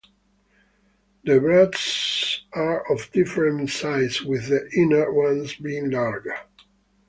The bracts are of different sizes with the inner ones being larger.